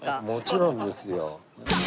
もちろんですよ。